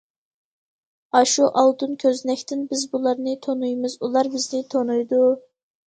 ئاشۇ‹‹ ئالتۇن كۆزنەك›› تىن بىز ئۇلارنى تونۇيمىز، ئۇلار بىزنى تونۇيدۇ.